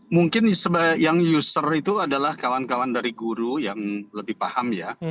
mungkin yang user itu adalah kawan kawan dari guru yang lebih paham ya